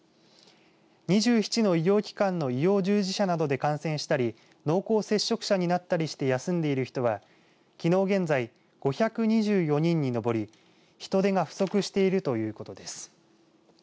２７の医療機関の医療従事者などで感染したり濃厚接触者になったりして休んでいる人はきのう現在５２４人に上り人手が不足しているということです。